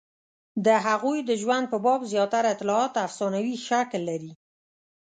د هغوی د ژوند په باب زیاتره اطلاعات افسانوي شکل لري.